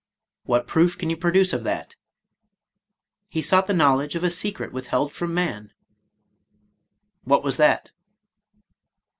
"What proof can you produce of that?" — "He sought the knowledge of a secret withheld from man." "What was that?"